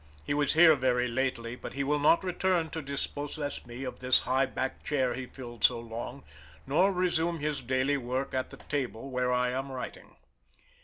He was here very lately, but he will not return to dispossess me of this high backed chair he filled so long, nor resume his daily work at the table where I am writing.